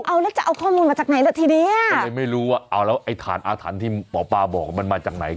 เอาแล้วจะเอาข้อมูลมาจากไหนล่ะทีเนี้ยก็เลยไม่รู้ว่าเอาแล้วไอ้ฐานอาถรรพ์ที่หมอปลาบอกว่ามันมาจากไหน